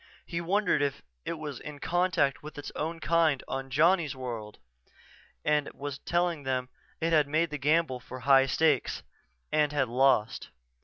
He wondered if it was in contact with its own kind on Johnny's World and was telling them it had made the gamble for high stakes, and had lost.